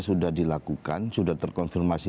sudah dilakukan sudah terkonfirmasi